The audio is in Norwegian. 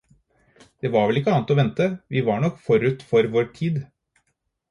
Det var vel ikke annet å vente, vi var nok forut for vår tid.